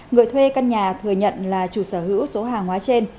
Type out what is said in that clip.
người thuê căn nhà thừa nhận là chủ sở hữu số hàng hóa trên